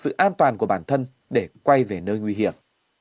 sự an toàn của bản thân để quay về nơi nguy hiểm